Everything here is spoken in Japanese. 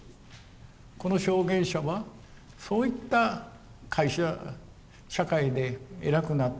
この証言者はそういった会社社会で偉くなった。